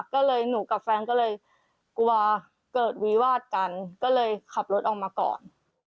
ก็เลยหนูกับแฟนก็เลยกลัวเกิดวิวาดกันก็เลยขับรถออกมาก่อน